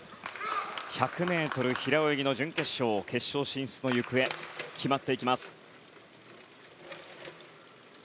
１００ｍ平泳ぎの準決勝決勝進出の行方が決まっていきます。